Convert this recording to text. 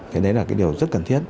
thế đấy là điều rất cần thiết